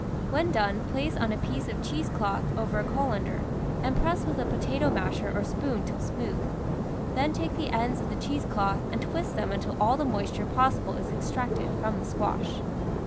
When done, place on a piece of cheese cloth over a colander and press w^ith a po tato masher or spoon till smooth ; then take the ends of the cheese cloth and twist them until all the mois ture possible is extracted from the squash.